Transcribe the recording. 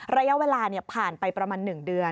ระยะเวลาผ่านไปประมาณ๑เดือน